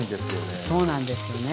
そうなんですよね。